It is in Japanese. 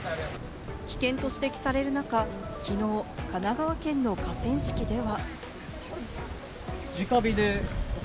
危険と指摘される中、きのう、神奈川県の河川敷では。